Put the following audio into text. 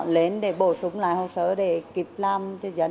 lên để bổ sung lại hồ sơ để kịp làm cho dân